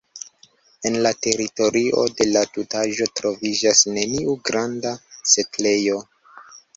En la teritorio de la tutaĵo troviĝas neniu granda setlejo.